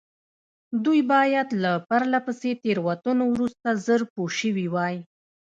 دوی باید له پرله پسې تېروتنو وروسته ژر پوه شوي وای.